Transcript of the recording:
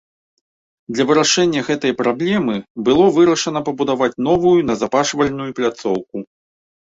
Для вырашэння гэтай праблемы было вырашана пабудаваць новую назапашвальную пляцоўку.